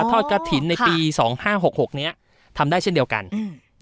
ทอดกระถิ่นในปีสองห้าหกหกเนี้ยทำได้เช่นเดียวกันอืม